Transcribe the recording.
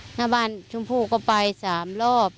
หน้าบ้านชมพู่ก็ไป๓รอบ